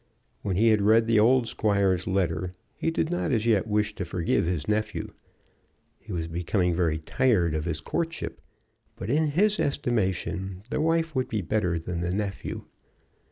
When he had read the old squire's letter he did not as yet wish to forgive his nephew. He was becoming very tired of his courtship, but in his estimation the wife would be better than the nephew.